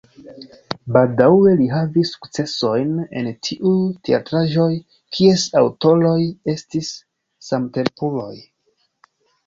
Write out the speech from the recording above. Baldaŭe li havis sukcesojn en tiuj teatraĵoj, kies aŭtoroj estis samtempuloj.